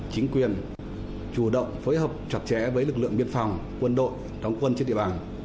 chính quyền chủ động phối hợp chặt chẽ với lực lượng biên phòng quân đội đóng quân trên địa bàn